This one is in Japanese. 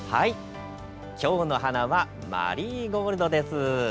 きょうの花はマリーゴールドです。